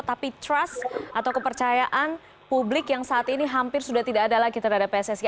tapi trust atau kepercayaan publik yang saat ini hampir sudah tidak ada lagi terhadap pssi